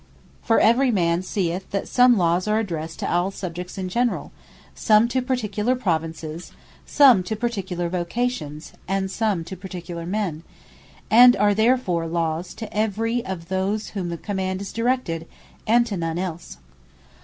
For every man seeth, that some Lawes are addressed to all the Subjects in generall; some to particular Provinces; some to particular Vocations; and some to particular Men; and are therefore Lawes, to every of those to whom the Command is directed; and to none else.